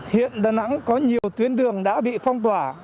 hiện đà nẵng có nhiều tuyến đường đã bị phong tỏa